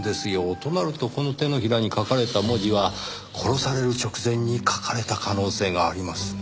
となるとこの手のひらに書かれた文字は殺される直前に書かれた可能性がありますねぇ。